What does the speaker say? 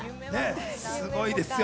すごいですよ。